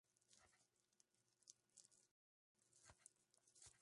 Los chinos inicialmente se negaron a firmar el tratado.